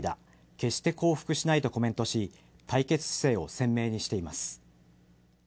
決して降伏しないとコメントし対決姿勢を鮮明にしています。